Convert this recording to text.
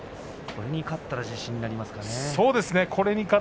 これで勝ったら自信になりますね。